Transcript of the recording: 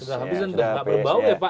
sudah habis dan nggak berbau ya pak